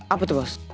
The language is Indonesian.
apa tuh bas